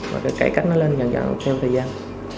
và cải cách nó lên dần dần theo thời gian